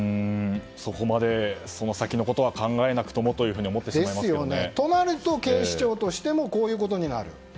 そこまでその先のことは考えなくてもとそうなると警視庁もこういうことになる。